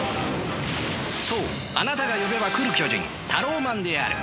そうあなたが呼べば来る巨人タローマンである。